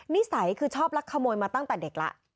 นิสัยคือชอบลักขโมยมาตั้งแต่เด็กแล้ว